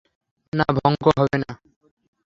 না, ভঙ্গ হবে না।